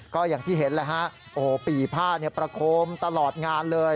ก็อย่างที่เห็นแล้วฮะโอ้โหปีผ้าประโคมตลอดงานเลย